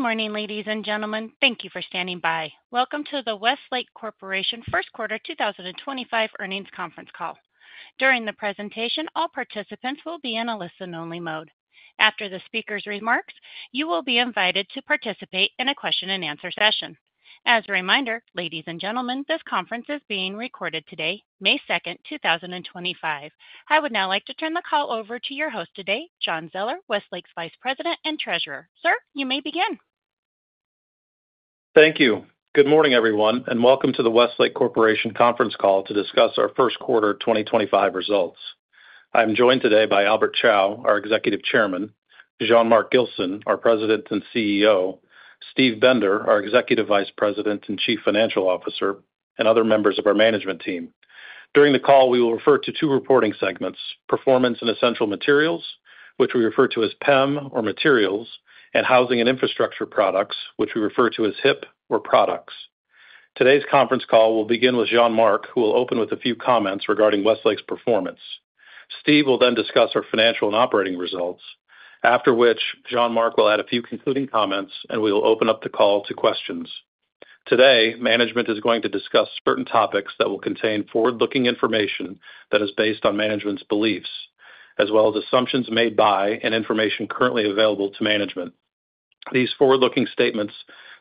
Good morning, ladies and gentlemen. Thank you for standing by. Welcome to the Westlake Corporation First Quarter 2025 Earnings Conference Call. During the presentation, all participants will be in a listen-only mode. After the speaker's remarks, you will be invited to participate in a question-and-answer session. As a reminder, ladies and gentlemen, this conference is being recorded today, May 2, 2025. I would now like to turn the call over to your host today, John Zoeller, Westlake's Vice President and Treasurer. Sir, you may begin. Thank you. Good morning, everyone, and welcome to the Westlake Corporation Conference Call to discuss our first quarter 2025 results. I am joined today by Albert Chao, our Executive Chairman; Jean-Marc Gilson, our President and CEO; Steve Bender, our Executive Vice President and Chief Financial Officer; and other members of our management team. During the call, we will refer to two reporting segments: Performance and Essential Materials, which we refer to as PEM or materials, and Housing and Infrastructure Products, which we refer to as HIP or products. Today's conference call will begin with Jean-Marc, who will open with a few comments regarding Westlake's performance. Steve will then discuss our financial and operating results, after which Jean-Marc will add a few concluding comments, and we will open up the call to questions. Today, management is going to discuss certain topics that will contain forward-looking information that is based on management's beliefs, as well as assumptions made by and information currently available to management. These forward-looking statements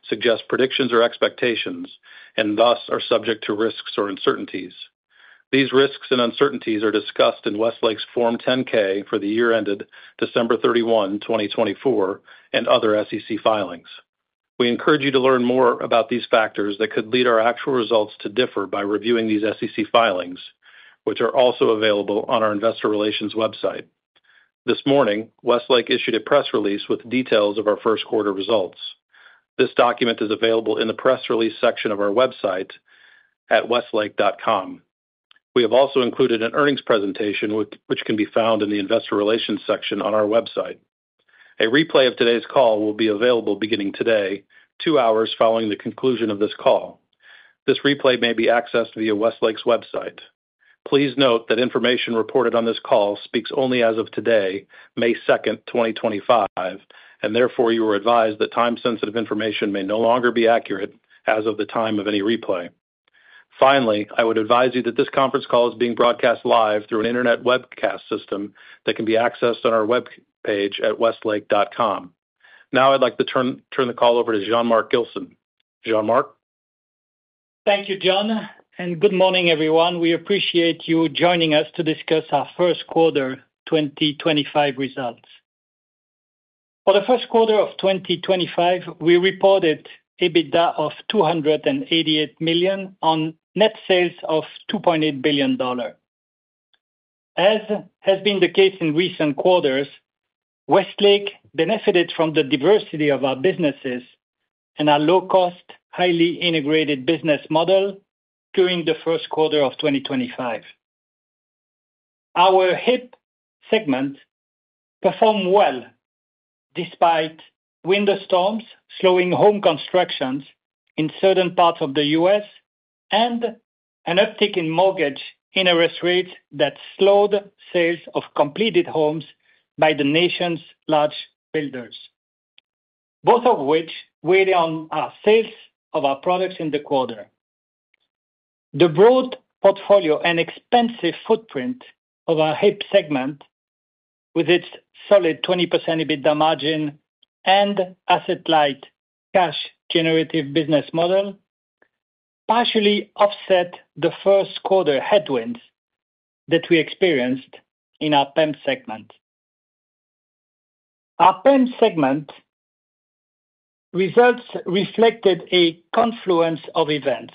suggest predictions or expectations and thus are subject to risks or uncertainties. These risks and uncertainties are discussed in Westlake's Form 10-K for the year ended December 31, 2024, and other SEC filings. We encourage you to learn more about these factors that could lead our actual results to differ by reviewing these SEC filings, which are also available on our Investor Relations website. This morning, Westlake issued a press release with details of our first quarter results. This document is available in the press release section of our website at westlake.com. We have also included an earnings presentation, which can be found in the Investor Relations section on our website. A replay of today's call will be available beginning today, two hours following the conclusion of this call. This replay may be accessed via Westlake's website. Please note that information reported on this call speaks only as of today, May 2, 2025, and therefore you are advised that time-sensitive information may no longer be accurate as of the time of any replay. Finally, I would advise you that this conference call is being broadcast live through an internet webcast system that can be accessed on our web page at westlake.com. Now, I'd like to turn the call over to Jean-Marc Gilson. Jean-Marc? Thank you, John, and good morning, everyone. We appreciate you joining us to discuss our first quarter 2025 results. For the first quarter of 2025, we reported EBITDA of $288 million on net sales of $2.8 billion. As has been the case in recent quarters, Westlake benefited from the diversity of our businesses and our low-cost, highly integrated business model during the first quarter of 2025. Our HIP segment performed well despite windstorms, slowing home constructions in certain parts of the U.S., and an uptick in mortgage interest rates that slowed sales of completed homes by the nation's large builders, both of which weighed on our sales of our products in the quarter. The broad portfolio and expansive footprint of our HIP segment, with its solid 20% EBITDA margin and asset-light cash-generative business model, partially offset the first quarter headwinds that we experienced in our PEM segment. Our PEM segment results reflected a confluence of events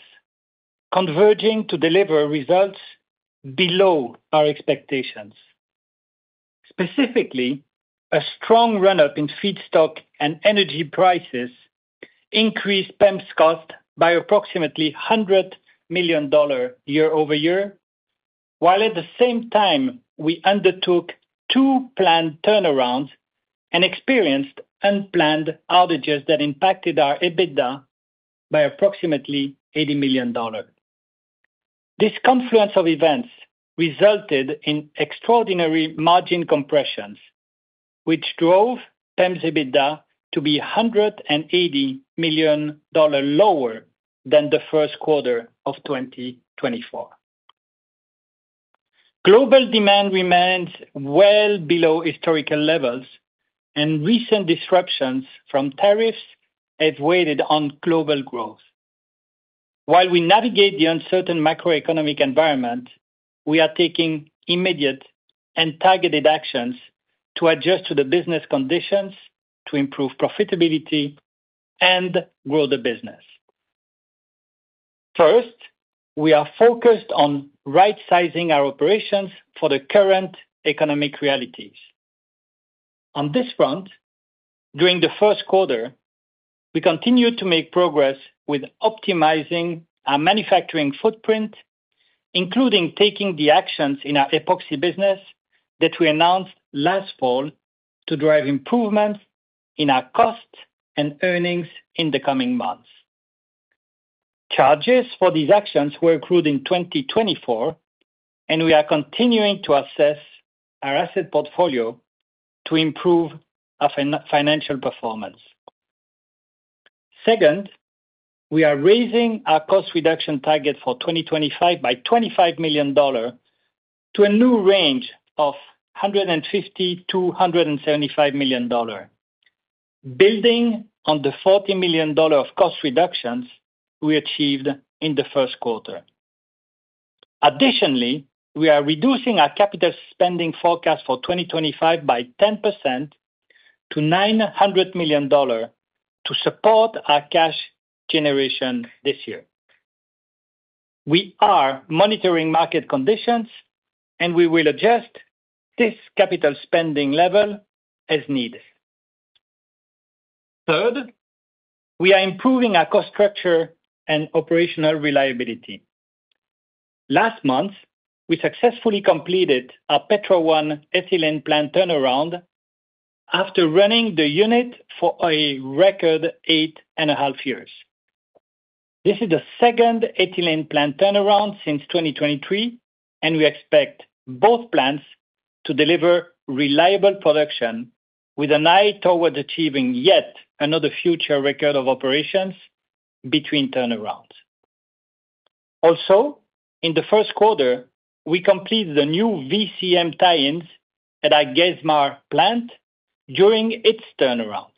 converging to deliver results below our expectations. Specifically, a strong run-up in feedstock and energy prices increased PEM's cost by approximately $100 million year-over-year, while at the same time we undertook two planned turnarounds and experienced unplanned outages that impacted our EBITDA by approximately $80 million. This confluence of events resulted in extraordinary margin compressions, which drove PEM's EBITDA to be $180 million lower than the first quarter of 2024. Global demand remains well below historical levels, and recent disruptions from tariffs have weighed on global growth. While we navigate the uncertain macroeconomic environment, we are taking immediate and targeted actions to adjust to the business conditions to improve profitability and grow the business. First, we are focused on right-sizing our operations for the current economic realities. On this front, during the first quarter, we continue to make progress with optimizing our manufacturing footprint, including taking the actions in our epoxy business that we announced last fall to drive improvements in our costs and earnings in the coming months. Charges for these actions were accrued in 2024, and we are continuing to assess our asset portfolio to improve our financial performance. Second, we are raising our cost reduction target for 2025 by $25 million to a new range of $150 million-$175 million, building on the $40 million of cost reductions we achieved in the first quarter. Additionally, we are reducing our capital spending forecast for 2025 by 10% to $900 million to support our cash generation this year. We are monitoring market conditions, and we will adjust this capital spending level as needed. Third, we are improving our cost structure and operational reliability. Last month, we successfully completed our Petro 1 ethylene plant turnaround after running the unit for a record eight and a half years. This is the second ethylene plant turnaround since 2023, and we expect both plants to deliver reliable production with an eye towards achieving yet another future record of operations between turnarounds. Also, in the first quarter, we completed the new VCM tie-ins at our Geismar plant during its turnaround,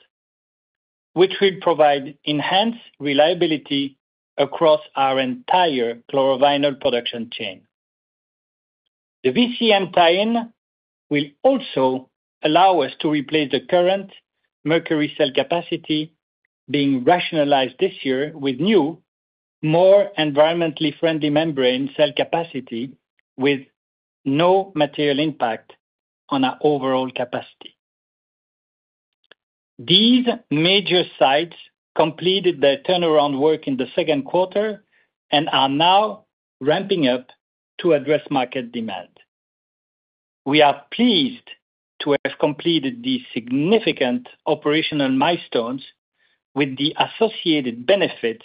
which will provide enhanced reliability across our entire chlor-vinyl production chain. The VCM tie-in will also allow us to replace the current mercury cell capacity being rationalized this year with new, more environmentally friendly membrane cell capacity with no material impact on our overall capacity. These major sites completed their turnaround work in the second quarter and are now ramping up to address market demand. We are pleased to have completed these significant operational milestones with the associated benefits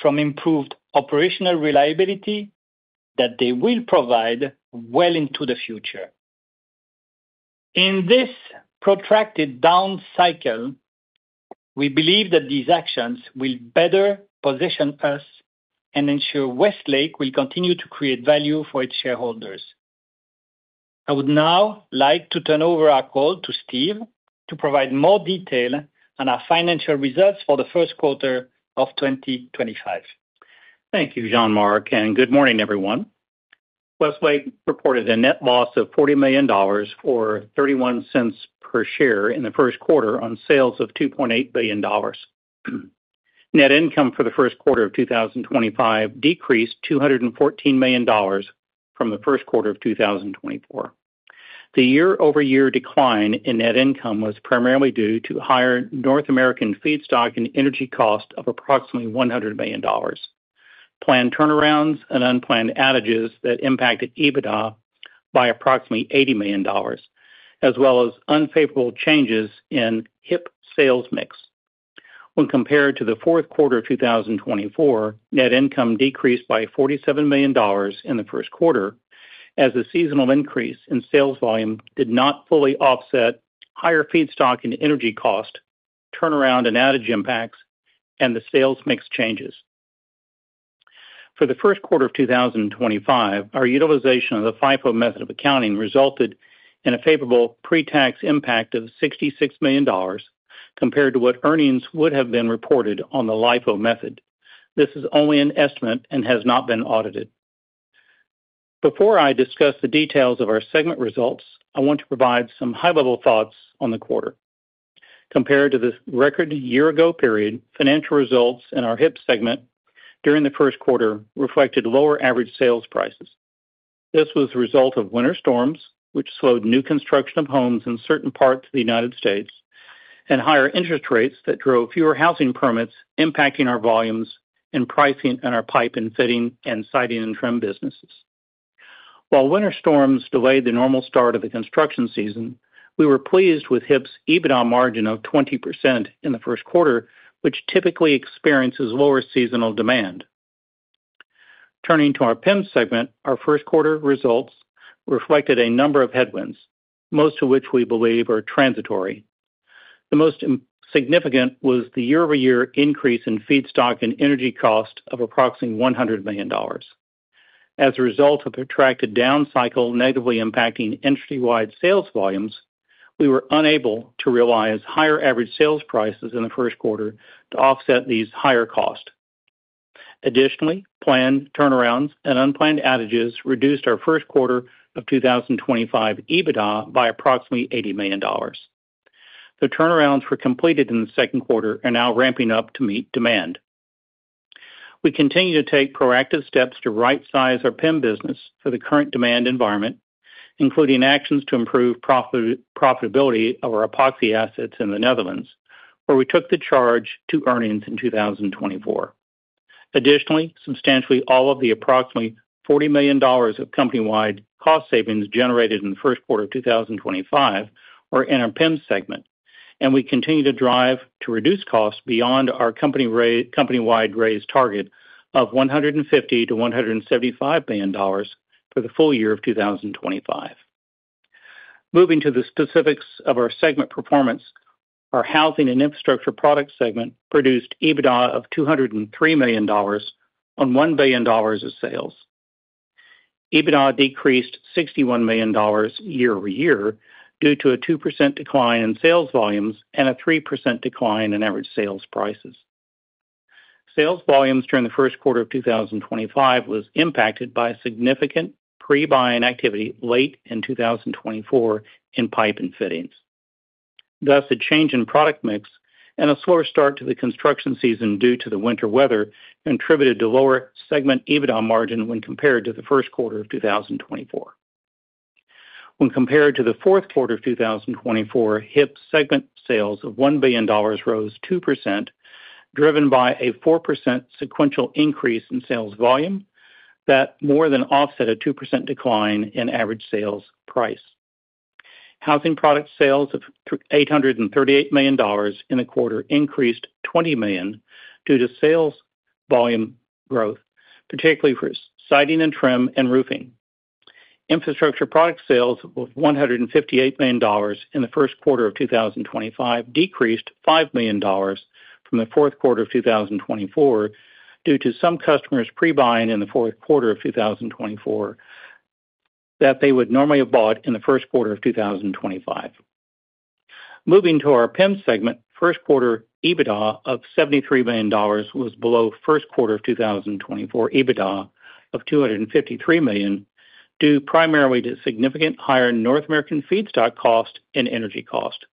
from improved operational reliability that they will provide well into the future. In this protracted down cycle, we believe that these actions will better position us and ensure Westlake will continue to create value for its shareholders. I would now like to turn over our call to Steve to provide more detail on our financial results for the first quarter of 2025. Thank you, Jean-Marc, and good morning, everyone. Westlake reported a net loss of $40 million or $0.31 per share in the first quarter on sales of $2.8 billion. Net income for the first quarter of 2025 decreased $214 million from the first quarter of 2024. The year-over-year decline in net income was primarily due to higher North American feedstock and energy cost of approximately $100 million, planned turnarounds and unplanned outages that impacted EBITDA by approximately $80 million, as well as unfavorable changes in HIP sales mix. When compared to the fourth quarter of 2024, net income decreased by $47 million in the first quarter as the seasonal increase in sales volume did not fully offset higher feedstock and energy cost, turnaround and outage impacts, and the sales mix changes. For the first quarter of 2025, our utilization of the FIFO method of accounting resulted in a favorable pre-tax impact of $66 million compared to what earnings would have been reported on the LIFO method. This is only an estimate and has not been audited. Before I discuss the details of our segment results, I want to provide some high-level thoughts on the quarter. Compared to the record year-ago period, financial results in our HIP segment during the first quarter reflected lower average sales prices. This was the result of winter storms, which slowed new construction of homes in certain parts of the United States, and higher interest rates that drove fewer housing permits impacting our volumes and pricing in our pipe and fitting and siding and trim businesses. While winter storms delayed the normal start of the construction season, we were pleased with HIP's EBITDA margin of 20% in the first quarter, which typically experiences lower seasonal demand. Turning to our PEM segment, our first quarter results reflected a number of headwinds, most of which we believe are transitory. The most significant was the year-over-year increase in feedstock and energy cost of approximately $100 million. As a result of a protracted down cycle negatively impacting entity-wide sales volumes, we were unable to realize higher average sales prices in the first quarter to offset these higher costs. Additionally, planned turnarounds and unplanned outages reduced our first quarter of 2025 EBITDA by approximately $80 million. The turnarounds were completed in the second quarter and are now ramping up to meet demand. We continue to take proactive steps to right-size our PEM business for the current demand environment, including actions to improve profitability of our epoxy assets in the Netherlands, where we took the charge to earnings in 2024. Additionally, substantially all of the approximately $40 million of company-wide cost savings generated in the first quarter of 2025 are in our PEM segment, and we continue to drive to reduce costs beyond our company-wide raised target of $150 million-$175 million for the full year of 2025. Moving to the specifics of our segment performance, our Housing and Infrastructure Products segment produced EBITDA of $203 million on $1 billion of sales. EBITDA decreased $61 million year-over-year due to a 2% decline in sales volumes and a 3% decline in average sales prices. Sales volumes during the first quarter of 2025 were impacted by significant pre-buying activity late in 2024 in pipe and fittings. Thus, a change in product mix and a slower start to the construction season due to the winter weather contributed to lower segment EBITDA margin when compared to the first quarter of 2024. When compared to the fourth quarter of 2024, HIP segment sales of $1 billion rose 2%, driven by a 4% sequential increase in sales volume that more than offset a 2% decline in average sales price. Housing product sales of $838 million in the quarter increased $20 million due to sales volume growth, particularly for siding and trim and roofing. Infrastructure product sales of $158 million in the first quarter of 2025 decreased $5 million from the fourth quarter of 2024 due to some customers pre-buying in the fourth quarter of 2024 that they would normally have bought in the first quarter of 2025. Moving to our PEM segment, first quarter EBITDA of $73 million was below first quarter of 2024 EBITDA of $253 million due primarily to significant higher North American feedstock cost and energy cost,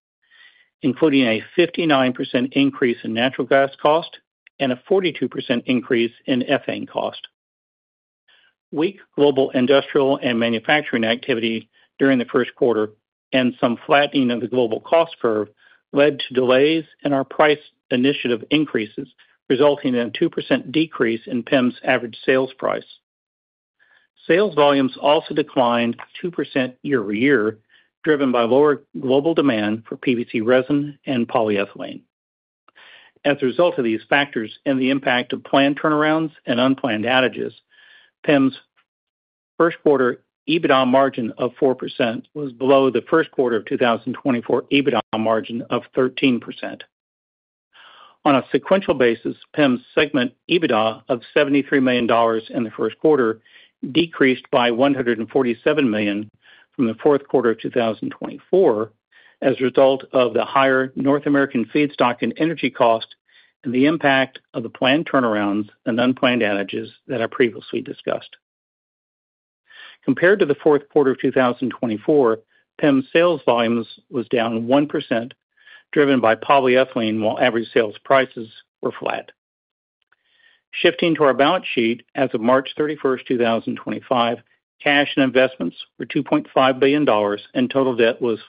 including a 59% increase in natural gas cost and a 42% increase in ethane cost. Weak global industrial and manufacturing activity during the first quarter and some flattening of the global cost curve led to delays in our price initiative increases, resulting in a 2% decrease in PEM's average sales price. Sales volumes also declined 2% year-over-year, driven by lower global demand for PVC resin and polyethylene. As a result of these factors and the impact of planned turnarounds and unplanned outages, PEM's first quarter EBITDA margin of 4% was below the first quarter of 2024 EBITDA margin of 13%. On a sequential basis, PEM's segment EBITDA of $73 million in the first quarter decreased by $147 million from the fourth quarter of 2024 as a result of the higher North American feedstock and energy cost and the impact of the planned turnarounds and unplanned outages that I previously discussed. Compared to the fourth quarter of 2024, PEM's sales volumes were down 1%, driven by polyethylene, while average sales prices were flat. Shifting to our balance sheet as of March 31, 2025, cash and investments were $2.5 billion, and total debt was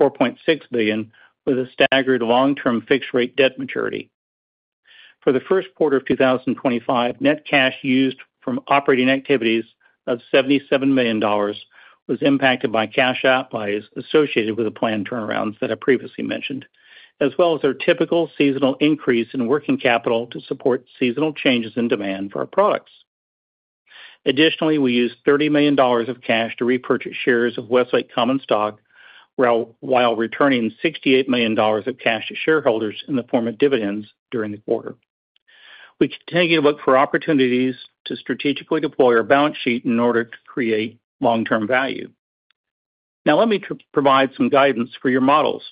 $4.6 billion, with a staggered long-term fixed-rate debt maturity. For the first quarter of 2025, net cash used from operating activities of $77 million was impacted by cash outlays associated with the planned turnarounds that I previously mentioned, as well as our typical seasonal increase in working capital to support seasonal changes in demand for our products. Additionally, we used $30 million of cash to repurchase shares of Westlake common stock while returning $68 million of cash to shareholders in the form of dividends during the quarter. We continue to look for opportunities to strategically deploy our balance sheet in order to create long-term value. Now, let me provide some guidance for your models.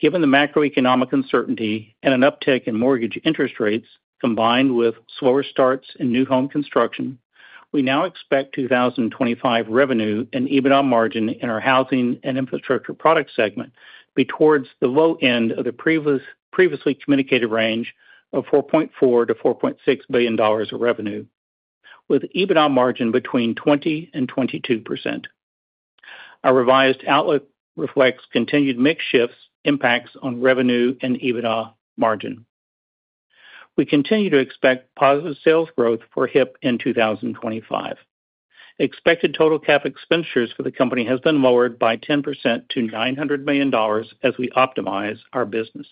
Given the macroeconomic uncertainty and an uptick in mortgage interest rates combined with slower starts in new home construction, we now expect 2025 revenue and EBITDA margin in our Housing and Infrastructure Products segment to be towards the low end of the previously communicated range of $4.4 billion-$4.6 billion of revenue, with EBITDA margin between 20% and 22%. Our revised outlook reflects continued mix shifts impacts on revenue and EBITDA margin. We continue to expect positive sales growth for HIP in 2025. Expected total capital expenditures for the company have been lowered by 10% to $900 million as we optimize our business.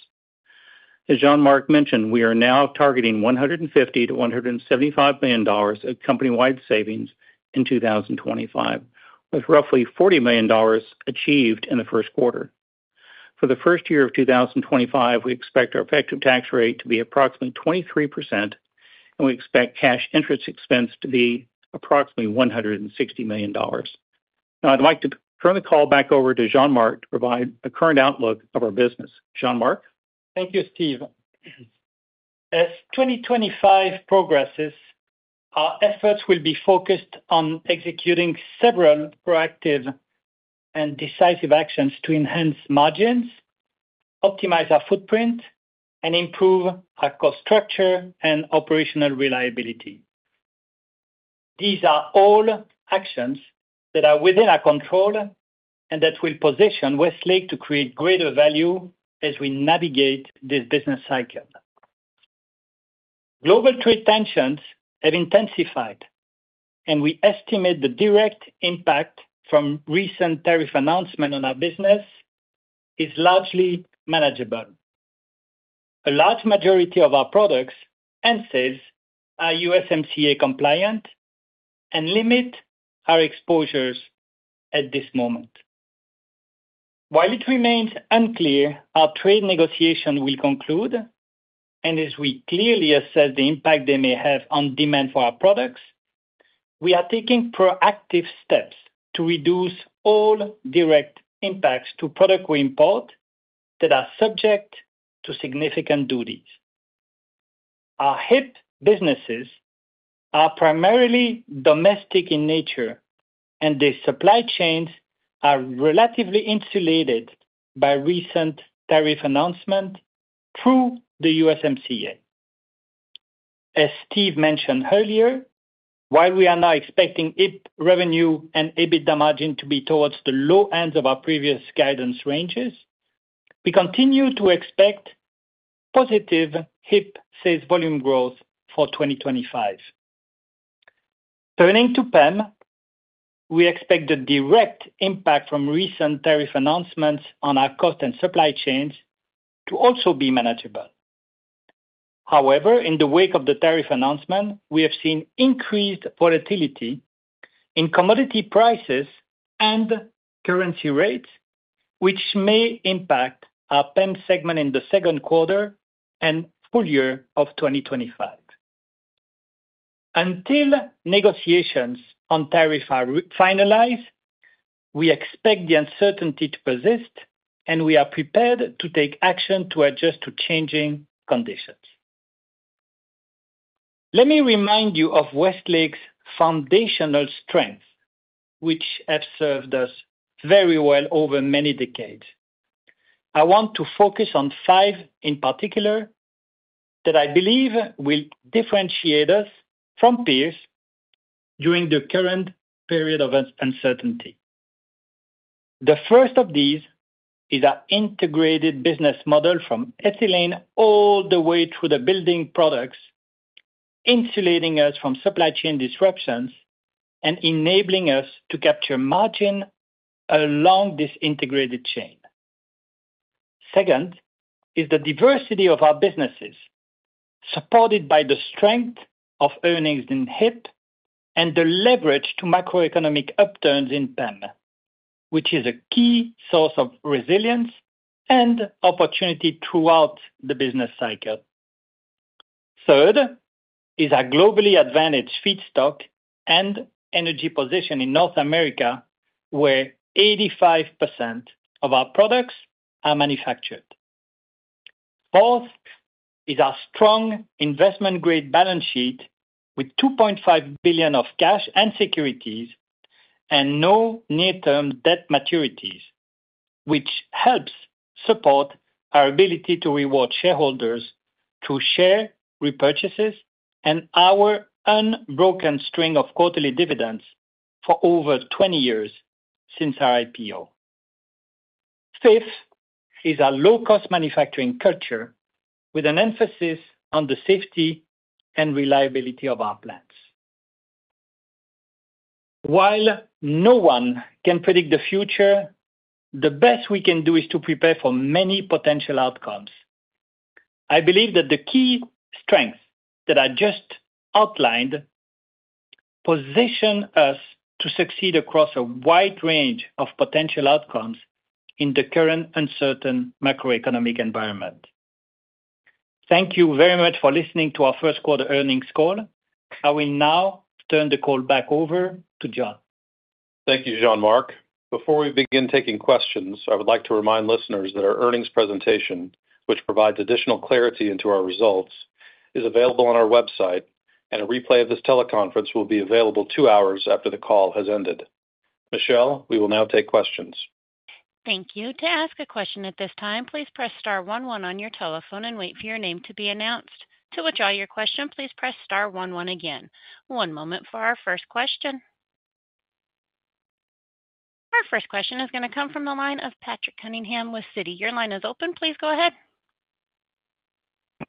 As Jean-Marc mentioned, we are now targeting $150 million-$175 million of company-wide savings in 2025, with roughly $40 million achieved in the first quarter. For the full year of 2025, we expect our effective tax rate to be approximately 23%, and we expect cash interest expense to be approximately $160 million. Now, I'd like to turn the call back over to Jean-Marc to provide a current outlook of our business. Jean-Marc. Thank you, Steve. As 2025 progresses, our efforts will be focused on executing several proactive and decisive actions to enhance margins, optimize our footprint, and improve our cost structure and operational reliability. These are all actions that are within our control and that will position Westlake to create greater value as we navigate this business cycle. Global trade tensions have intensified, and we estimate the direct impact from recent tariff announcements on our business is largely manageable. A large majority of our products and sales are USMCA compliant and limit our exposures at this moment. While it remains unclear how trade negotiations will conclude, and as we clearly assess the impact they may have on demand for our products, we are taking proactive steps to reduce all direct impacts to product we import that are subject to significant duties. Our HIP businesses are primarily domestic in nature, and the supply chains are relatively insulated by recent tariff announcements through the USMCA. As Steve mentioned earlier, while we are now expecting HIP revenue and EBITDA margin to be towards the low ends of our previous guidance ranges, we continue to expect positive HIP sales volume growth for 2025. Turning to PEM, we expect the direct impact from recent tariff announcements on our cost and supply chains to also be manageable. However, in the wake of the tariff announcement, we have seen increased volatility in commodity prices and currency rates, which may impact our PEM segment in the second quarter and full year of 2025. Until negotiations on tariffs are finalized, we expect the uncertainty to persist, and we are prepared to take action to adjust to changing conditions. Let me remind you of Westlake's foundational strengths, which have served us very well over many decades. I want to focus on five in particular that I believe will differentiate us from peers during the current period of uncertainty. The first of these is our integrated business model from ethylene all the way through the building products, insulating us from supply chain disruptions and enabling us to capture margin along this integrated chain. Second is the diversity of our businesses, supported by the strength of earnings in HIP and the leverage to macroeconomic upturns in PEM, which is a key source of resilience and opportunity throughout the business cycle. Third is our globally advantaged feedstock and energy position in North America, where 85% of our products are manufactured. Fourth is our strong investment-grade balance sheet with $2.5 billion of cash and securities and no near-term debt maturities, which helps support our ability to reward shareholders through share repurchases and our unbroken string of quarterly dividends for over 20 years since our IPO. Fifth is our low-cost manufacturing culture with an emphasis on the safety and reliability of our plants. While no one can predict the future, the best we can do is to prepare for many potential outcomes. I believe that the key strengths that I just outlined position us to succeed across a wide range of potential outcomes in the current uncertain macroeconomic environment. Thank you very much for listening to our first quarter earnings call. I will now turn the call back over to John. Thank you, Jean-Marc. Before we begin taking questions, I would like to remind listeners that our earnings presentation, which provides additional clarity into our results, is available on our website, and a replay of this teleconference will be available two hours after the call has ended. Michelle, we will now take questions. Thank you. To ask a question at this time, please press star one one on your telephone and wait for your name to be announced. To withdraw your question, please press star one one again. One moment for our first question. Our first question is going to come from the line of Patrick Cunningham with Citi. Your line is open. Please go ahead.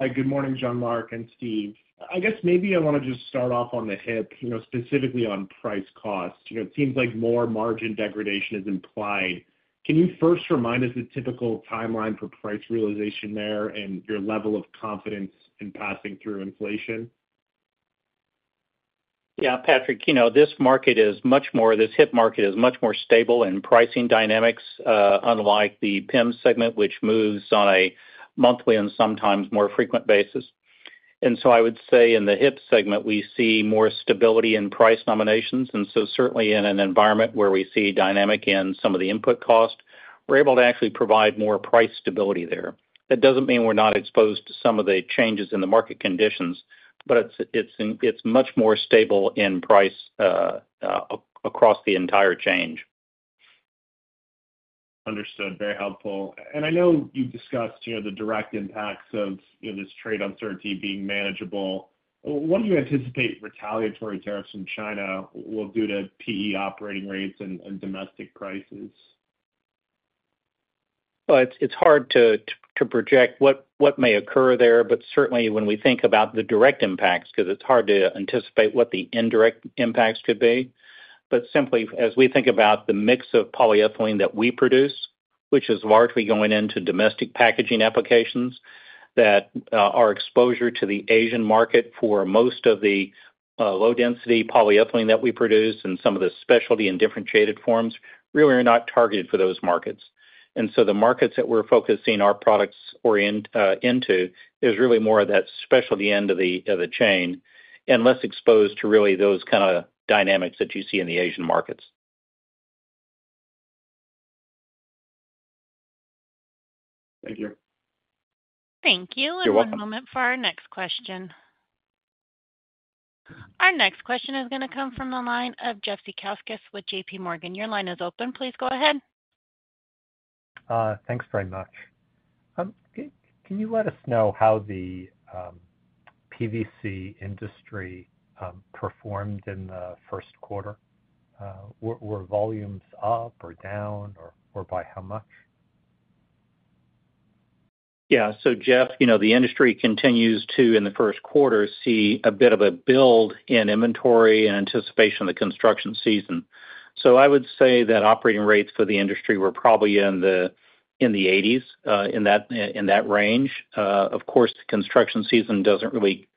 Hi, good morning, Jean-Marc and Steve. I guess maybe I want to just start off on the HIP, specifically on price costs. It seems like more margin degradation is implied. Can you first remind us the typical timeline for price realization there and your level of confidence in passing through inflation? Yeah, Patrick, you know this market is much more—this HIP market is much more stable in pricing dynamics, unlike the PEM segment, which moves on a monthly and sometimes more frequent basis. I would say in the HIP segment, we see more stability in price nominations. Certainly in an environment where we see dynamic in some of the input cost, we're able to actually provide more price stability there. That doesn't mean we're not exposed to some of the changes in the market conditions, but it's much more stable in price across the entire change. Understood. Very helpful. I know you've discussed the direct impacts of this trade uncertainty being manageable. What do you anticipate retaliatory tariffs in China will do to PE operating rates and domestic prices? It's hard to project what may occur there, but certainly when we think about the direct impacts, because it's hard to anticipate what the indirect impacts could be. Simply, as we think about the mix of polyethylene that we produce, which is largely going into domestic packaging applications, our exposure to the Asian market for most of the low-density polyethylene that we produce and some of the specialty and differentiated forms really are not targeted for those markets. The markets that we're focusing our products into is really more of that specialty end of the chain and less exposed to really those kind of dynamics that you see in the Asian markets. Thank you. Thank you. One moment for our next question. Our next question is going to come from the line Jeffrey Zekauskas with JPMorgan. Your line is open. Please go ahead. Thanks very much. Can you let us know how the PVC industry performed in the first quarter? Were volumes up or down, or by how much? Yeah. So Jeff, you know the industry continues to, in the first quarter, see a bit of a build in inventory in anticipation of the construction season. I would say that operating rates for the industry were probably in the 80s, in that range. Of course, the construction season does not really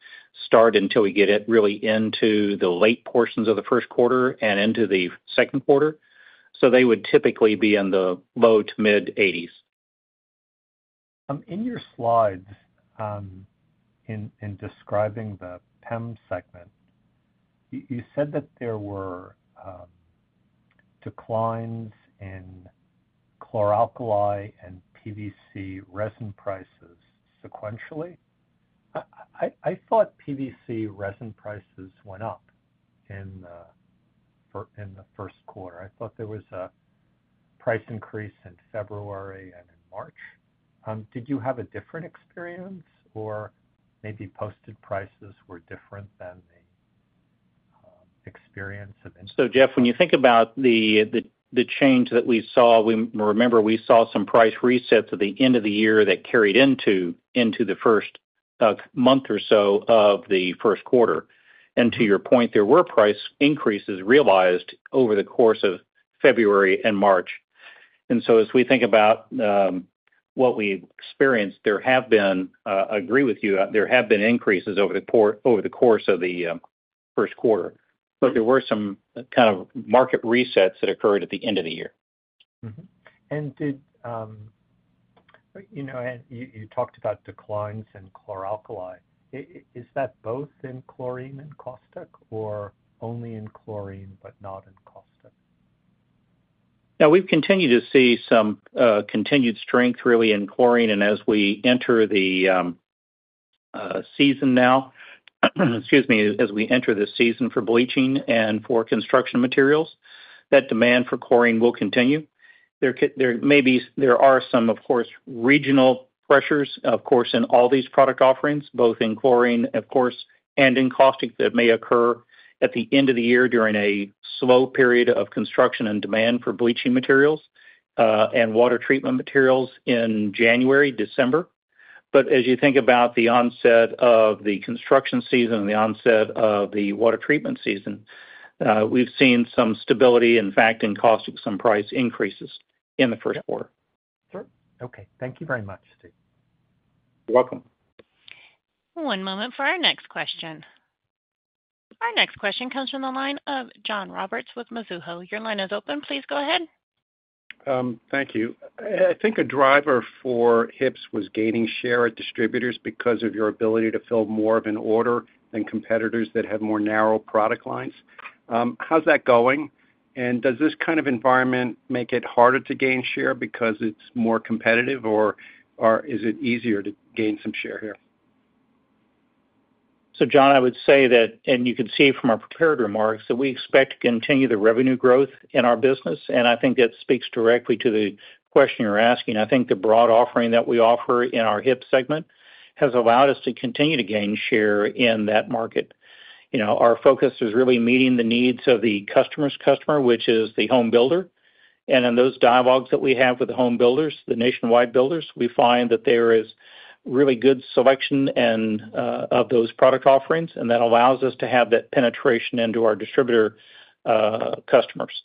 start until we get really into the late portions of the first quarter and into the second quarter. They would typically be in the low to mid-80s. In your slides in describing the PEM segment, you said that there were declines in chlor-alkali and PVC resin prices sequentially. I thought PVC resin prices went up in the first quarter. I thought there was a price increase in February and in March. Did you have a different experience, or maybe posted prices were different than the experience of? Jeff, when you think about the change that we saw, remember we saw some price resets at the end of the year that carried into the first month or so of the first quarter. To your point, there were price increases realized over the course of February and March. As we think about what we experienced, there have been—I agree with you—there have been increases over the course of the first quarter. There were some kind of market resets that occurred at the end of the year. You talked about declines in chlor-alkali. Is that both in chlorine and caustic, or only in chlorine but not in caustic? Yeah, we've continued to see some continued strength really in chlorine. As we enter the season now, excuse me, as we enter the season for bleaching and for construction materials, that demand for chlorine will continue. There may be, there are some, of course, regional pressures, of course, in all these product offerings, both in chlorine, of course, and in caustic that may occur at the end of the year during a slow period of construction and demand for bleaching materials and water treatment materials in January, December. As you think about the onset of the construction season and the onset of the water treatment season, we've seen some stability, in fact, in caustic and some price increases in the first quarter. Sure. Okay. Thank you very much, Steve. You're welcome. One moment for our next question. Our next question comes from the line of John Roberts with Mizuho. Your line is open. Please go ahead. Thank you. I think a driver for HIP was gaining share at distributors because of your ability to fill more of an order than competitors that have more narrow product lines. How's that going? Does this kind of environment make it harder to gain share because it's more competitive, or is it easier to gain some share here? John, I would say that you can see from our prepared remarks that we expect to continue the revenue growth in our business. I think that speaks directly to the question you're asking. I think the broad offering that we offer in our HIP segment has allowed us to continue to gain share in that market. Our focus is really meeting the needs of the customer's customer, which is the home builder. In those dialogues that we have with the home builders, the nationwide builders, we find that there is really good selection of those product offerings, and that allows us to have that penetration into our distributor customers.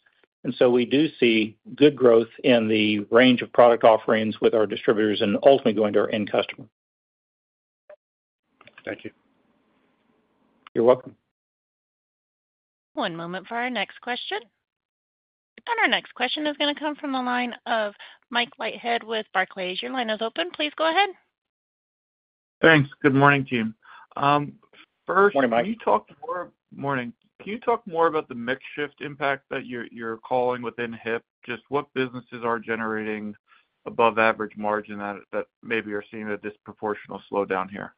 We do see good growth in the range of product offerings with our distributors and ultimately going to our end customer. Thank you. You're welcome. One moment for our next question. Our next question is going to come from the line of Mike Leithead with Barclays. Your line is open. Please go ahead. Thanks. Good morning, team. Good morning, Mike. Can you talk more, morning, can you talk more about the mix shift impact that you're calling within HIP? Just what businesses are generating above-average margin that maybe are seeing a disproportional slowdown here?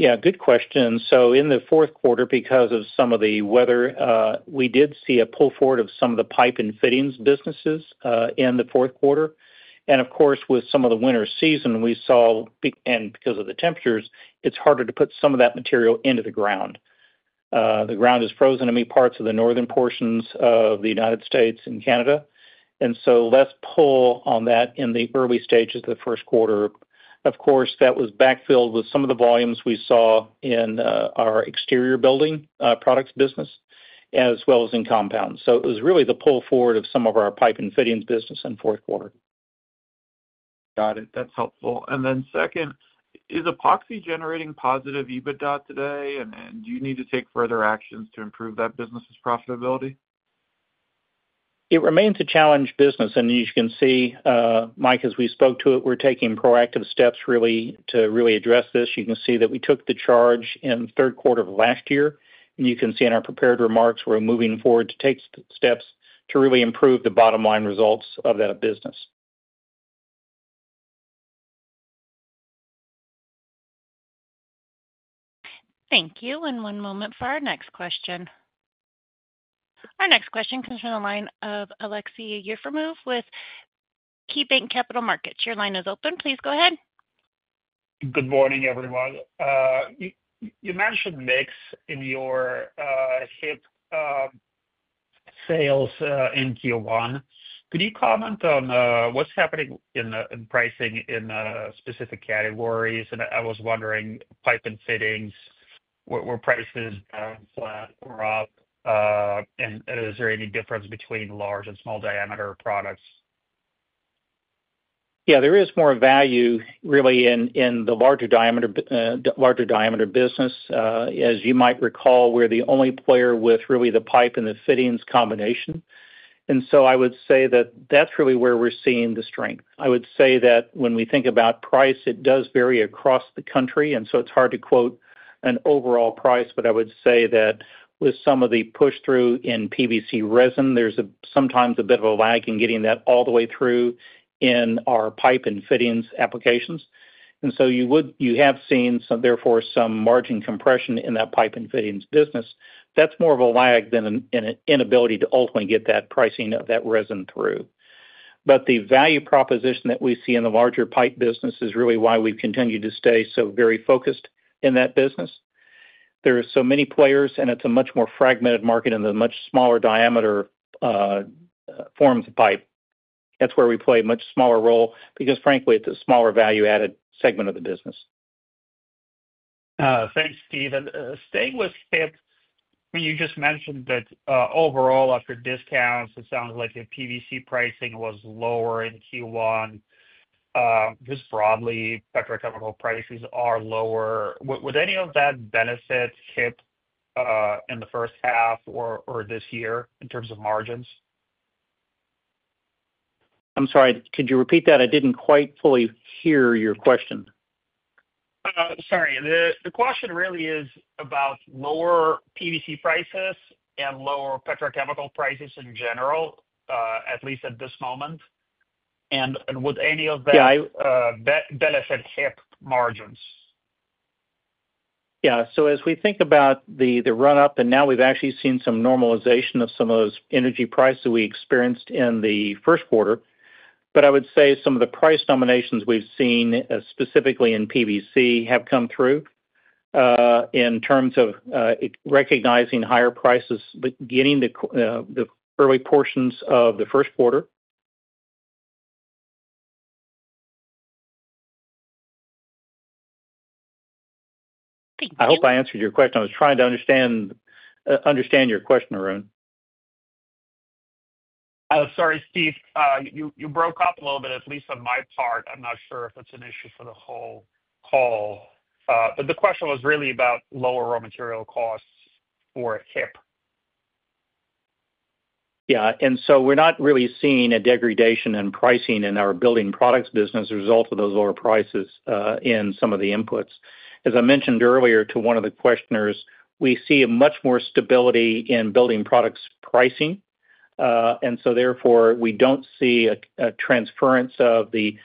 Yeah, good question. In the fourth quarter, because of some of the weather, we did see a pull forward of some of the pipe and fittings businesses in the fourth quarter. Of course, with some of the winter season, we saw, and because of the temperatures, it is harder to put some of that material into the ground. The ground is frozen in many parts of the northern portions of the United States and Canada. Less pull on that in the early stages of the first quarter. That was backfilled with some of the volumes we saw in our exterior building products business, as well as in compounds. It was really the pull forward of some of our pipe and fittings business in fourth quarter. Got it. That's helpful. Is epoxy generating positive EBITDA today, and do you need to take further actions to improve that business's profitability? It remains a challenge business. As you can see, Mike, as we spoke to it, we're taking proactive steps really to really address this. You can see that we took the charge in third quarter of last year. You can see in our prepared remarks, we're moving forward to take steps to really improve the bottom line results of that business. Thank you. One moment for our next question. Our next question comes from the line of Aleksey Yefremov with KeyBanc Capital Markets. Your line is open. Please go ahead. Good morning, everyone. You mentioned mix in your HIP sales in Q1. Could you comment on what's happening in pricing in specific categories? I was wondering, pipe and fittings, were prices flat or up? Is there any difference between large and small diameter products? Yeah, there is more value really in the larger diameter business. As you might recall, we're the only player with really the pipe and the fittings combination. I would say that that's really where we're seeing the strength. I would say that when we think about price, it does vary across the country. It's hard to quote an overall price, but I would say that with some of the push-through in PVC resin, there's sometimes a bit of a lag in getting that all the way through in our pipe and fittings applications. You have seen, therefore, some margin compression in that pipe and fittings business. That's more of a lag than an inability to ultimately get that pricing of that resin through. The value proposition that we see in the larger pipe business is really why we've continued to stay so very focused in that business. There are so many players, and it's a much more fragmented market in the much smaller diameter forms of pipe. That's where we play a much smaller role because, frankly, it's a smaller value-added segment of the business. Thanks, Steve. Staying with HIP, you just mentioned that overall, after discounts, it sounds like your PVC pricing was lower in Q1. Just broadly, petrochemical prices are lower. Would any of that benefit HIP in the first half or this year in terms of margins? I'm sorry, could you repeat that? I didn't quite fully hear your question. Sorry. The question really is about lower PVC prices and lower petrochemical prices in general, at least at this moment. Would any of that benefit HIP margins? Yeah. As we think about the run-up, and now we've actually seen some normalization of some of those energy prices we experienced in the first quarter. I would say some of the price nominations we've seen, specifically in PVC, have come through in terms of recognizing higher prices but getting the early portions of the first quarter. Thank you. I hope I answered your question. I was trying to understand your question, Arun. Sorry, Steve. You broke up a little bit, at least on my part. I'm not sure if it's an issue for the whole call. The question was really about lower raw material costs for HIP. Yeah. We're not really seeing a degradation in pricing in our building products business as a result of those lower prices in some of the inputs. As I mentioned earlier to one of the questioners, we see much more stability in building products pricing. Therefore, we don't see a transference of the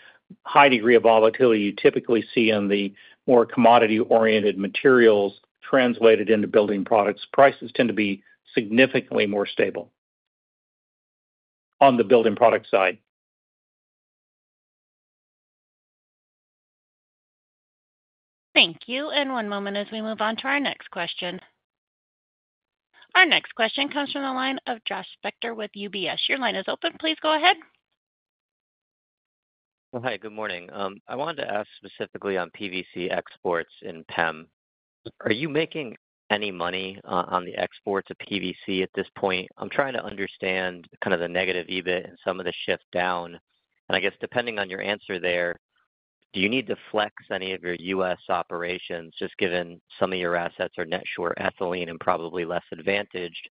high degree of volatility you typically see in the more commodity-oriented materials translated into building products. Prices tend to be significantly more stable on the building product side. Thank you. One moment as we move on to our next question. Our next question comes from the line of Josh Spector with UBS. Your line is open. Please go ahead. Hi, good morning. I wanted to ask specifically on PVC exports in PEM. Are you making any money on the exports of PVC at this point? I'm trying to understand kind of the negative EBIT and some of the shift down. I guess depending on your answer there, do you need to flex any of your US operations just given some of your assets are net short ethylene and probably less advantaged?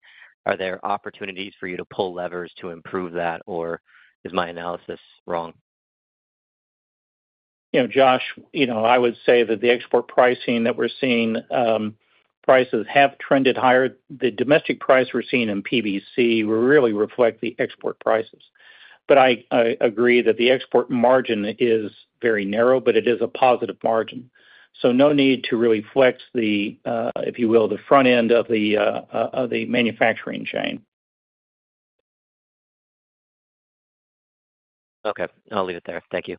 Are there opportunities for you to pull levers to improve that, or is my analysis wrong? Josh, I would say that the export pricing that we're seeing, prices have trended higher. The domestic price we're seeing in PVC will really reflect the export prices. I agree that the export margin is very narrow, but it is a positive margin. No need to really flex the, if you will, the front end of the manufacturing chain. Okay. I'll leave it there. Thank you.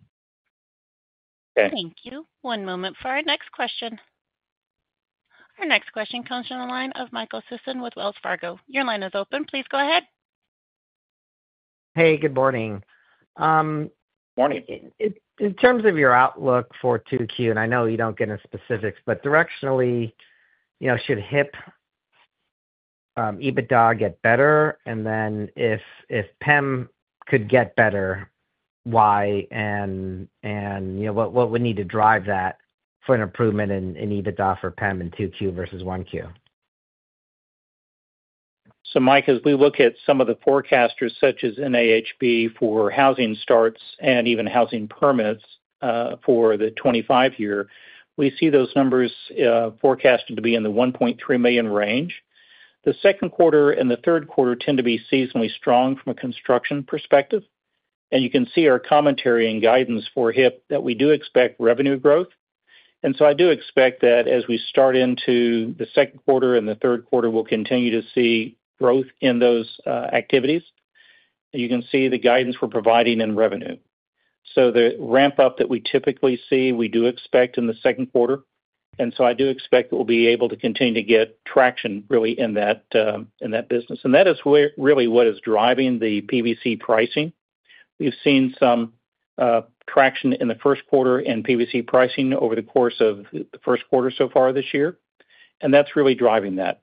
Thank you. One moment for our next question. Our next question comes from the line of Michael Sison with Wells Fargo. Your line is open. Please go ahead. Hey, good morning. Good morning. In terms of your outlook for 2Q, and I know you don't get into specifics, but directionally, should HIP EBITDA get better? If PEM could get better, why? What would need to drive that for an improvement in EBITDA for PEM in 2Q versus 1Q? Mike, as we look at some of the forecasters such as NAHB for housing starts and even housing permits for the 2025 year, we see those numbers forecasted to be in the 1.3 million range. The second quarter and the third quarter tend to be seasonally strong from a construction perspective. You can see our commentary and guidance for HIP that we do expect revenue growth. I do expect that as we start into the second quarter and the third quarter, we'll continue to see growth in those activities. You can see the guidance we're providing in revenue. The ramp-up that we typically see, we do expect in the second quarter. I do expect that we'll be able to continue to get traction really in that business. That is really what is driving the PVC pricing. We've seen some traction in the first quarter in PVC pricing over the course of the first quarter so far this year. That's really driving that.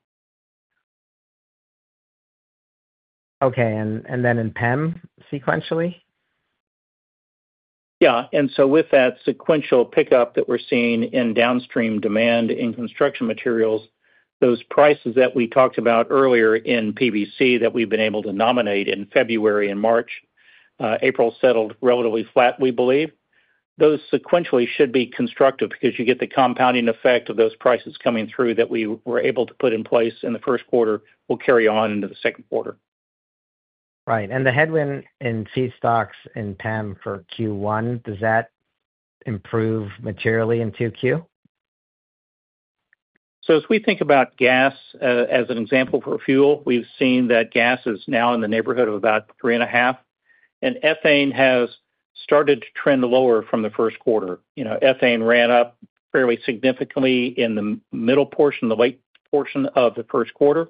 Okay. In PEM sequentially? Yeah. With that sequential pickup that we're seeing in downstream demand in construction materials, those prices that we talked about earlier in PVC that we've been able to nominate in February and March, April settled relatively flat, we believe. Those sequentially should be constructive because you get the compounding effect of those prices coming through that we were able to put in place in the first quarter will carry on into the second quarter. Right. The headwind in feedstocks in PEM for Q1, does that improve materially in 2Q? As we think about gas as an example for fuel, we've seen that gas is now in the neighborhood of about $3.50. Ethane has started to trend lower from the first quarter. Ethane ran up fairly significantly in the middle portion, the late portion of the first quarter.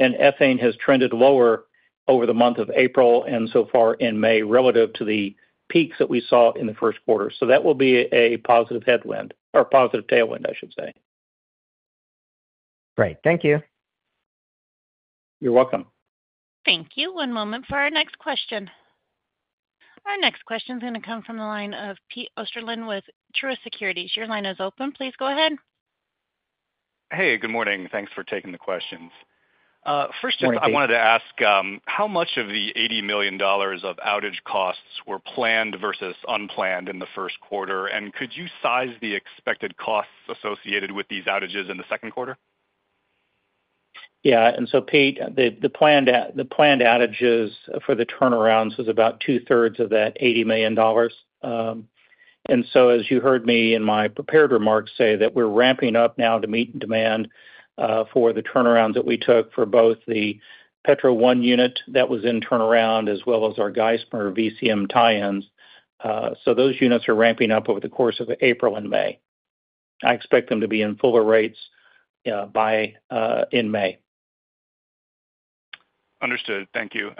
Ethane has trended lower over the month of April and so far in May relative to the peaks that we saw in the first quarter. That will be a positive tailwind, I should say. Great. Thank you. You're welcome. Thank you. One moment for our next question. Our next question is going to come from the line of Pete Osterland with Truist Securities. Your line is open. Please go ahead. Hey, good morning. Thanks for taking the questions. First, I wanted to ask how much of the $80 million of outage costs were planned versus unplanned in the first quarter? Could you size the expected costs associated with these outages in the second quarter? Yeah. Pete, the planned outages for the turnarounds was about two-thirds of that $80 million. As you heard me in my prepared remarks say, we're ramping up now to meet demand for the turnarounds that we took for both the Petro 1 unit that was in turnaround as well as our Geismar VCM tie-ins. Those units are ramping up over the course of April and May. I expect them to be in fuller rates by May. Understood. Thank you.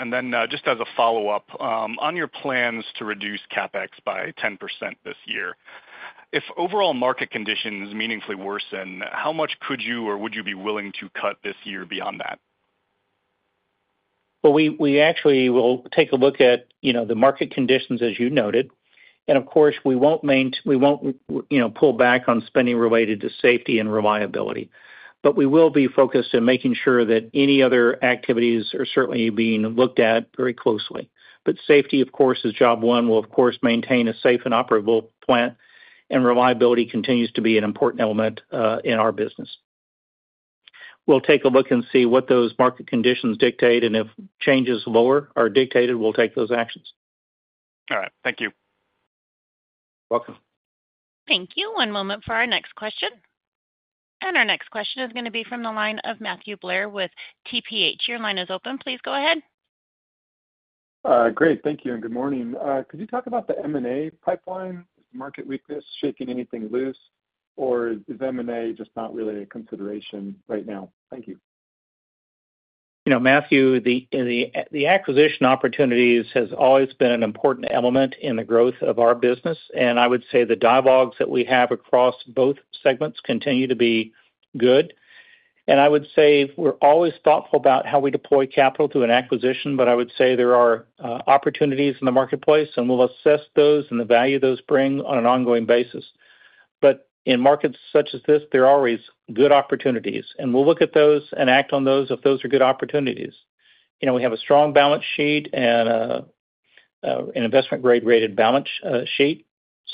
Just as a follow-up, on your plans to reduce CapEx by 10% this year, if overall market conditions meaningfully worsen, how much could you or would you be willing to cut this year beyond that? We actually will take a look at the market conditions, as you noted. Of course, we will not pull back on spending related to safety and reliability. We will be focused on making sure that any other activities are certainly being looked at very closely. Safety, of course, is job one. We will, of course, maintain a safe and operable plant. Reliability continues to be an important element in our business. We will take a look and see what those market conditions dictate. If changes lower are dictated, we will take those actions. All right. Thank you. You're welcome. Thank you. One moment for our next question. Our next question is going to be from the line of Matthew Blair with TPH. Your line is open. Please go ahead. Great. Thank you. Good morning. Could you talk about the M&A pipeline? Is the market weakness shaking anything loose? Is M&A just not really a consideration right now? Thank you. Matthew, the acquisition opportunities have always been an important element in the growth of our business. I would say the dialogues that we have across both segments continue to be good. I would say we're always thoughtful about how we deploy capital through an acquisition, but I would say there are opportunities in the marketplace, and we'll assess those and the value those bring on an ongoing basis. In markets such as this, there are always good opportunities. We'll look at those and act on those if those are good opportunities. We have a strong balance sheet and an investment-grade rated balance sheet.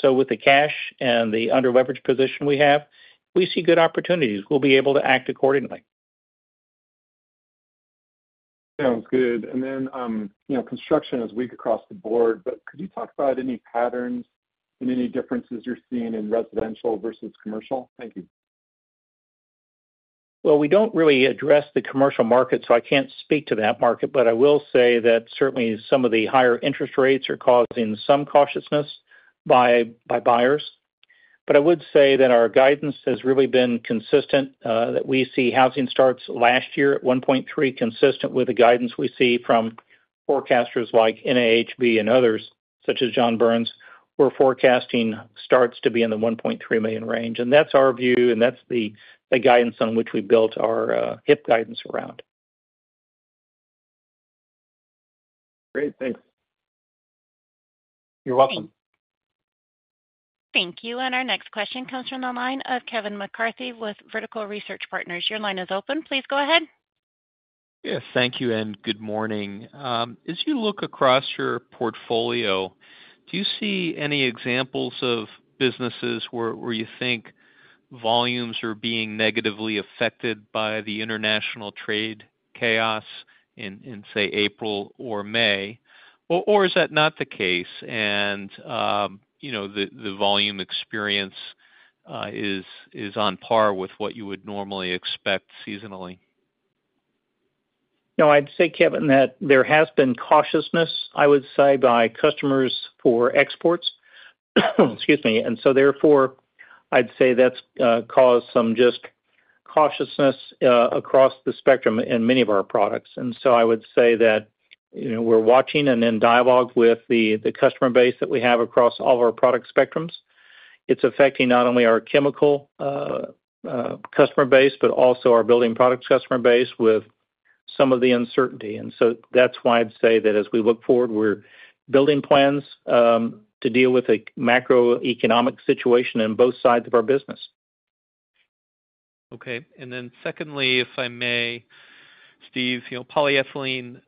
With the cash and the under-leveraged position we have, we see good opportunities. We'll be able to act accordingly. Sounds good. Construction is weak across the board, but could you talk about any patterns and any differences you're seeing in residential versus commercial? Thank you. We do not really address the commercial market, so I cannot speak to that market. I will say that certainly some of the higher interest rates are causing some cautiousness by buyers. I would say that our guidance has really been consistent that we see housing starts last year at 1.3, consistent with the guidance we see from forecasters like NAHB and others such as John Burns, who are forecasting starts to be in the 1.3 million range. That is our view, and that is the guidance on which we built our HIP guidance around. Great. Thanks. You're welcome. Thank you. Our next question comes from the line of Kevin McCarthy with Vertical Research Partners. Your line is open. Please go ahead. Yes. Thank you. Good morning. As you look across your portfolio, do you see any examples of businesses where you think volumes are being negatively affected by the international trade chaos in, say, April or May? Is that not the case and the volume experience is on par with what you would normally expect seasonally? No, I'd say, Kevin, that there has been cautiousness, I would say, by customers for exports. Excuse me. Therefore, I'd say that's caused some just cautiousness across the spectrum in many of our products. I would say that we're watching and in dialogue with the customer base that we have across all of our product spectrums. It's affecting not only our chemical customer base, but also our building products customer base with some of the uncertainty. That's why I'd say that as we look forward, we're building plans to deal with a macroeconomic situation in both sides of our business. Okay. Secondly, if I may, Steve, polyethylene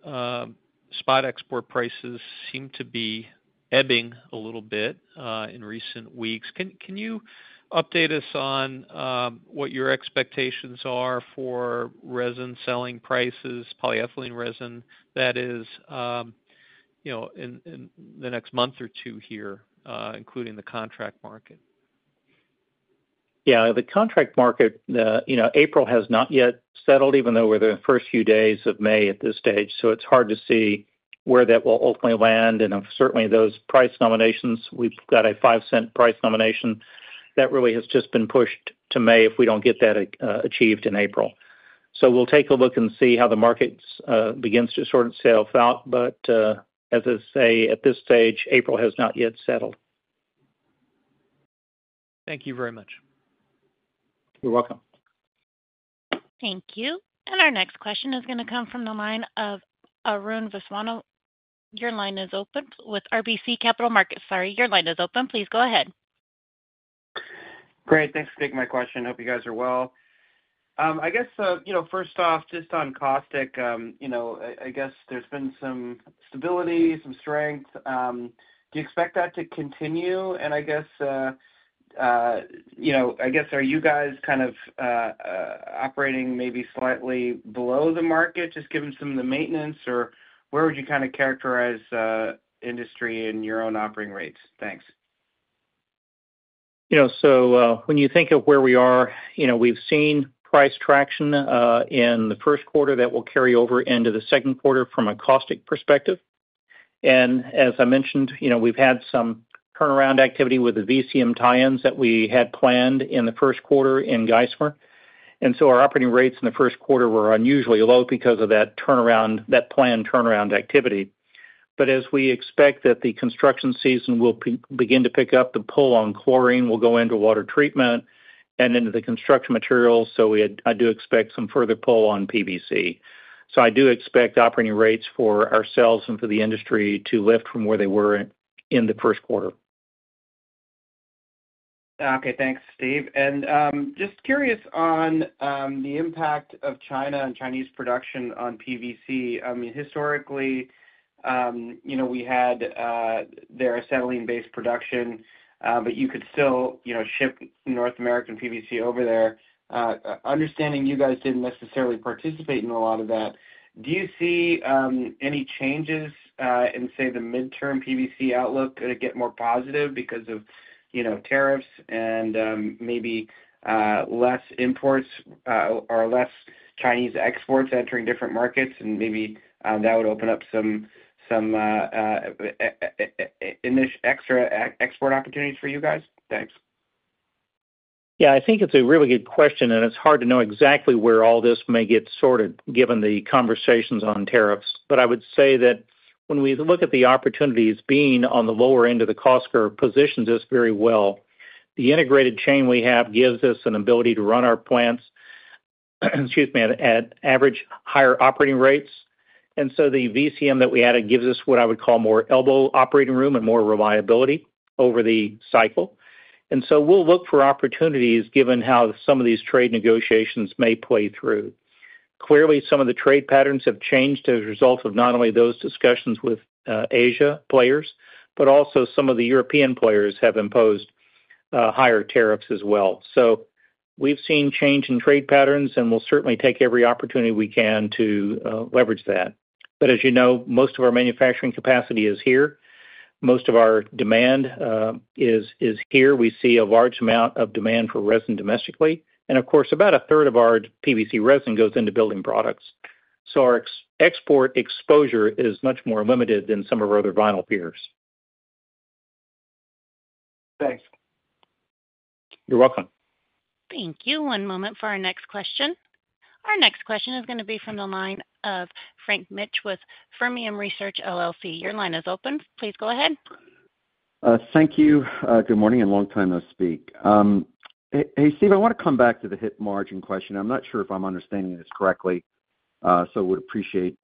spot export prices seem to be ebbing a little bit in recent weeks. Can you update us on what your expectations are for resin selling prices, polyethylene resin that is in the next month or two here, including the contract market? Yeah. The contract market, April has not yet settled, even though we're the first few days of May at this stage. It is hard to see where that will ultimately land. Certainly, those price nominations, we've got a 5% price nomination that really has just been pushed to May if we do not get that achieved in April. We will take a look and see how the markets begin to sort itself out. As I say, at this stage, April has not yet settled. Thank you very much. You're welcome. Thank you. Our next question is going to come from the line of Arun Viswanathan. Your line is open with RBC Capital Markets. Sorry. Your line is open. Please go ahead. Great. Thanks for taking my question. Hope you guys are well. I guess first off, just on caustic, I guess there's been some stability, some strength. Do you expect that to continue? I guess, are you guys kind of operating maybe slightly below the market just given some of the maintenance? Or where would you kind of characterize industry in your own operating rates? Thanks. When you think of where we are, we've seen price traction in the first quarter that will carry over into the second quarter from a caustic perspective. As I mentioned, we've had some turnaround activity with the VCM tie-ins that we had planned in the first quarter in Geismar. Our operating rates in the first quarter were unusually low because of that planned turnaround activity. As we expect that the construction season will begin to pick up, the pull on chlorine will go into water treatment and into the construction materials. I do expect some further pull on PVC. I do expect operating rates for ourselves and for the industry to lift from where they were in the first quarter. Okay. Thanks, Steve. Just curious on the impact of China and Chinese production on PVC. I mean, historically, we had their acetylene-based production, but you could still ship North American PVC over there. Understanding you guys didn't necessarily participate in a lot of that, do you see any changes in, say, the midterm PVC outlook going to get more positive because of tariffs and maybe less imports or less Chinese exports entering different markets? Maybe that would open up some extra export opportunities for you guys? Thanks. Yeah. I think it's a really good question. It's hard to know exactly where all this may get sorted given the conversations on tariffs. I would say that when we look at the opportunities, being on the lower end of the cost curve positions us very well. The integrated chain we have gives us an ability to run our plants, excuse me, at average higher operating rates. The VCM that we added gives us what I would call more elbow operating room and more reliability over the cycle. We will look for opportunities given how some of these trade negotiations may play through. Clearly, some of the trade patterns have changed as a result of not only those discussions with Asia players, but also some of the European players have imposed higher tariffs as well. We have seen change in trade patterns, and we will certainly take every opportunity we can to leverage that. As you know, most of our manufacturing capacity is here. Most of our demand is here. We see a large amount of demand for resin domestically. Of course, about a third of our PVC resin goes into building products. Our export exposure is much more limited than some of our other vinyl peers. Thanks. You're welcome. Thank you. One moment for our next question. Our next question is going to be from the line of Frank Mitsch with Fermium Research. Your line is open. Please go ahead. Thank you. Good morning and long time no speak. Hey, Steve, I want to come back to the HIP margin question. I'm not sure if I'm understanding this correctly, so I would appreciate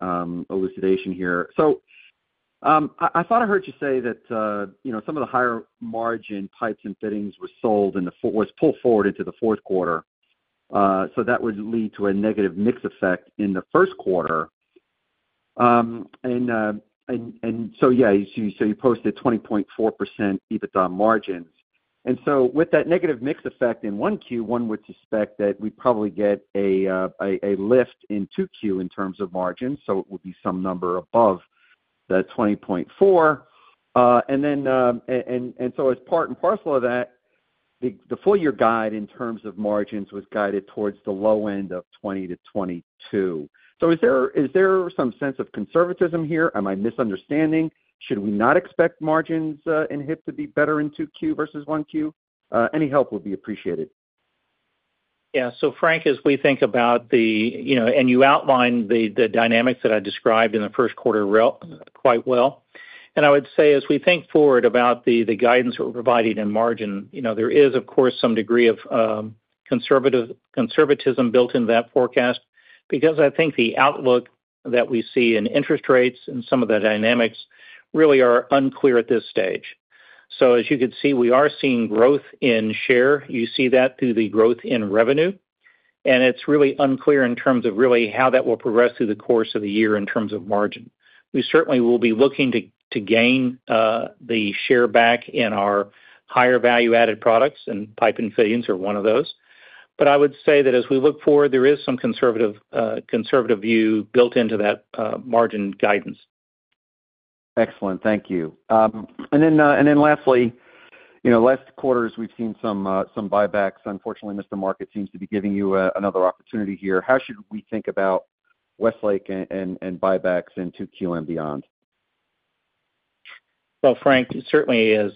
elucidation here. I thought I heard you say that some of the higher margin pipes and fittings were pulled forward into the fourth quarter. That would lead to a negative mix effect in the first quarter. You posted 20.4% EBITDA margins. With that negative mix effect in Q1, one would suspect that we probably get a lift in Q2 in terms of margins. It would be some number above that 20.4%. As part and parcel of that, the full-year guide in terms of margins was guided towards the low end of 20-22%. Is there some sense of conservatism here? Am I misunderstanding? Should we not expect margins in HIP to be better in 2Q versus 1Q? Any help would be appreciated. Yeah. So Frank, as we think about the—and you outlined the dynamics that I described in the first quarter quite well. I would say as we think forward about the guidance that we're providing in margin, there is, of course, some degree of conservatism built into that forecast because I think the outlook that we see in interest rates and some of the dynamics really are unclear at this stage. As you could see, we are seeing growth in share. You see that through the growth in revenue. It is really unclear in terms of really how that will progress through the course of the year in terms of margin. We certainly will be looking to gain the share back in our higher value-added products, and pipe and fittings are one of those. I would say that as we look forward, there is some conservative view built into that margin guidance. Excellent. Thank you. Lastly, last quarter, as we have seen some buybacks, unfortunately, Mr. Market seems to be giving you another opportunity here. How should we think about Westlake and buybacks in 2Q and beyond? Frank, certainly, as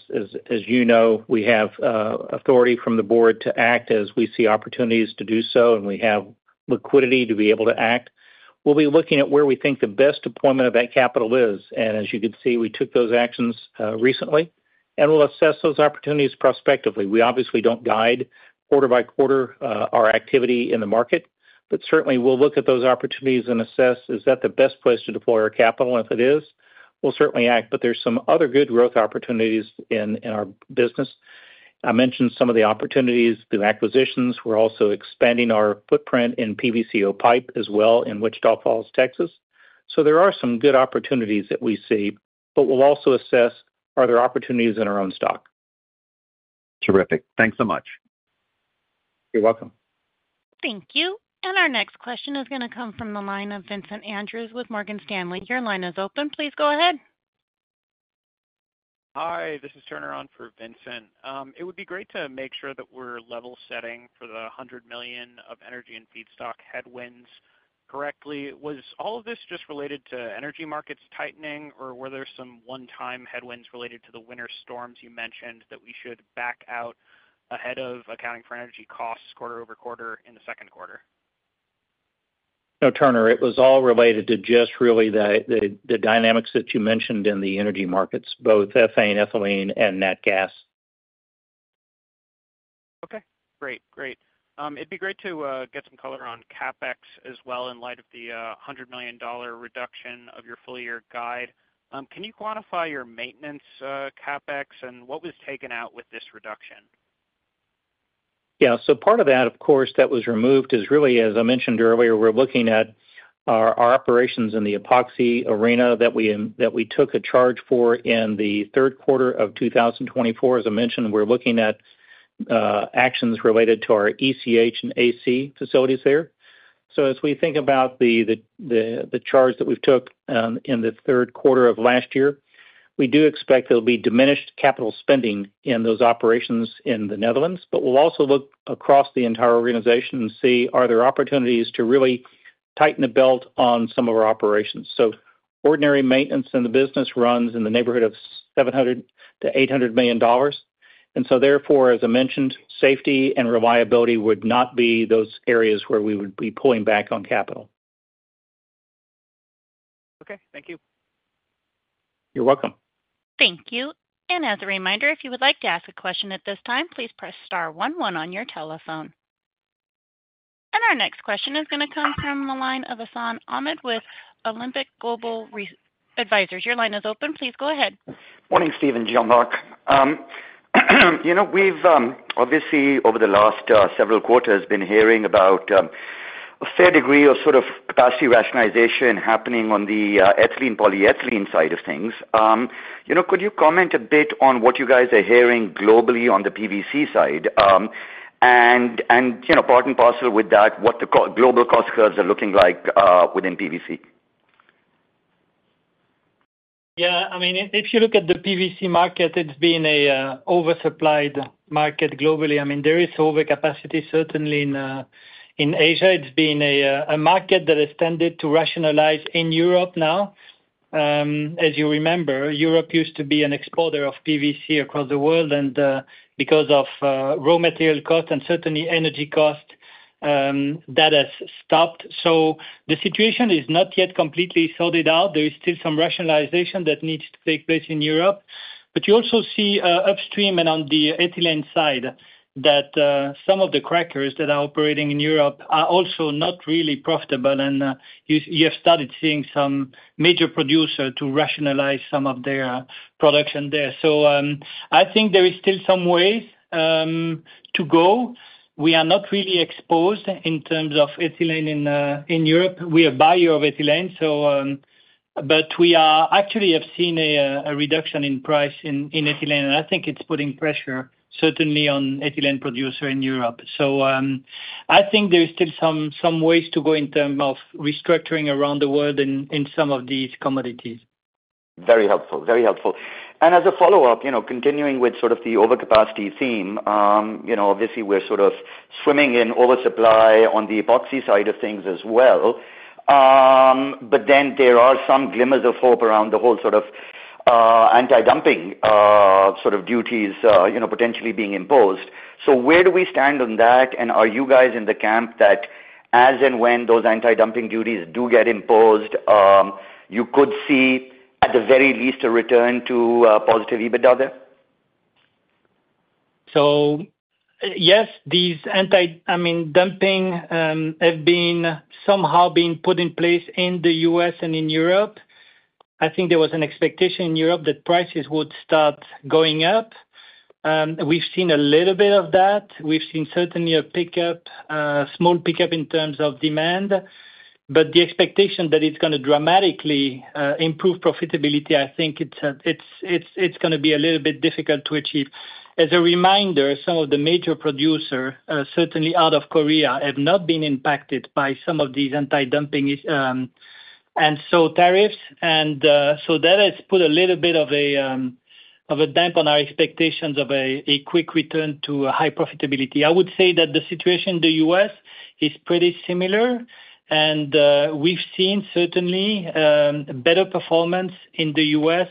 you know, we have authority from the board to act as we see opportunities to do so, and we have liquidity to be able to act. We will be looking at where we think the best deployment of that capital is. As you could see, we took those actions recently, and we will assess those opportunities prospectively. We obviously do not guide quarter by quarter our activity in the market, but certainly, we will look at those opportunities and assess, is that the best place to deploy our capital? If it is, we will certainly act. There are some other good growth opportunities in our business. I mentioned some of the opportunities, the acquisitions. We are also expanding our footprint in PVC-O pipe as well in Wichita Falls, Texas. There are some good opportunities that we see, but we will also assess, are there opportunities in our own stock? Terrific. Thanks so much. You are welcome. Thank you. Our next question is going to come from the line of Vincent Andrews with Morgan Stanley. Your line is open. Please go ahead. Hi. This is Turner on for Vincent. It would be great to make sure that we're level-setting for the $100 million of energy and feedstock headwinds correctly. Was all of this just related to energy markets tightening, or were there some one-time headwinds related to the winter storms you mentioned that we should back out ahead of accounting for energy costs quarter-over-quarter in the second quarter? No, Turner. It was all related to just really the dynamics that you mentioned in the energy markets, both ethane and ethylene and natural gas. Okay. Great. Great. It'd be great to get some color on CapEx as well in light of the $100 million reduction of your full-year guide. Can you quantify your maintenance CapEx, and what was taken out with this reduction? Yeah. Part of that, of course, that was removed is really, as I mentioned earlier, we're looking at our operations in the epoxy arena that we took a charge for in the third quarter of 2024. As I mentioned, we're looking at actions related to our ECH and AC facilities there. As we think about the charge that we took in the third quarter of last year, we do expect there'll be diminished capital spending in those operations in the Netherlands. We'll also look across the entire organization and see, are there opportunities to really tighten the belt on some of our operations? Ordinary maintenance in the business runs in the neighborhood of $700 million-$800 million. Therefore, as I mentioned, safety and reliability would not be those areas where we would be pulling back on capital. Okay. Thank you. You're welcome. Thank you. As a reminder, if you would like to ask a question at this time, please press star one one on your telephone. Our next question is going to come from the line of Hassan Ahmed with Alembic Global Advisors. Your line is open. Please go ahead. Morning, Steven and Jean-Marc. We've obviously, over the last several quarters, been hearing about a fair degree of sort of capacity rationalization happening on the ethylene-polyethylene side of things. Could you comment a bit on what you guys are hearing globally on the PVC side? Part and parcel with that, what the global cost curves are looking like within PVC? Yeah. I mean, if you look at the PVC market, it's been an oversupplied market globally. I mean, there is overcapacity, certainly, in Asia. It's been a market that has tended to rationalize in Europe now. As you remember, Europe used to be an exporter of PVC across the world. Because of raw material costs and certainly energy costs, that has stopped. The situation is not yet completely sorted out. There is still some rationalization that needs to take place in Europe. You also see upstream and on the ethylene side that some of the crackers that are operating in Europe are also not really profitable. You have started seeing some major producers rationalize some of their production there. I think there is still some ways to go. We are not really exposed in terms of ethylene in Europe. We are a buyer of ethylene. We actually have seen a reduction in price in ethylene. I think it's putting pressure, certainly, on ethylene producers in Europe. I think there is still some ways to go in terms of restructuring around the world in some of these commodities. Very helpful. Very helpful. As a follow-up, continuing with sort of the overcapacity theme, obviously, we're sort of swimming in oversupply on the epoxy side of things as well. There are some glimmers of hope around the whole sort of anti-dumping sort of duties potentially being imposed. Where do we stand on that? Are you guys in the camp that as and when those anti-dumping duties do get imposed, you could see, at the very least, a return to positive EBITDA there? Yes, these anti-dumping have been somehow being put in place in the U.S. and in Europe. I think there was an expectation in Europe that prices would start going up. We've seen a little bit of that. We've seen, certainly, a small pickup in terms of demand. The expectation that it's going to dramatically improve profitability, I think it's going to be a little bit difficult to achieve. As a reminder, some of the major producers, certainly out of Korea, have not been impacted by some of these anti-dumping tariffs. That has put a little bit of a damp on our expectations of a quick return to high profitability. I would say that the situation in the U.S. is pretty similar. We've seen, certainly, better performance in the U.S.,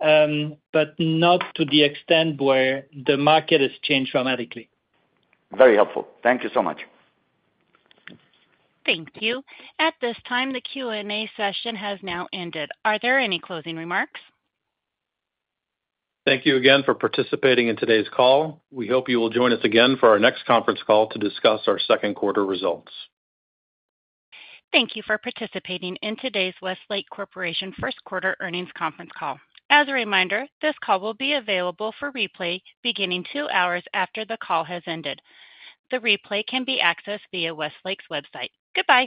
but not to the extent where the market has changed dramatically. Very helpful. Thank you so much. Thank you. At this time, the Q&A session has now ended. Are there any closing remarks? Thank you again for participating in today's call. We hope you will join us again for our next conference call to discuss our second quarter results. Thank you for participating in today's Westlake Corporation First Quarter Earnings Conference Call. As a reminder, this call will be available for replay beginning two hours after the call has ended. The replay can be accessed via Westlake's website. Goodbye.